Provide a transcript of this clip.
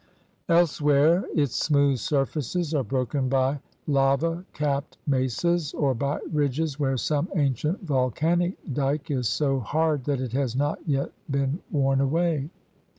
Elsewhere its smooth surfaces are broken by lava capped mesas or by ridges where some ancient vol canic dike is so hard that it has not yet been worn away.